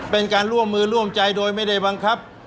เป็นการร่วมมือร่วมใจโดยไม่ได้บังคับ